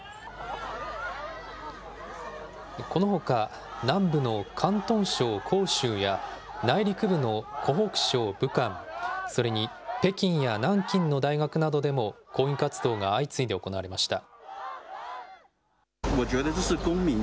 このほか、南部の広東省広州や、内陸部の湖北省武漢、それに北京や南京の大学などでも抗議活動が相次いで行われました。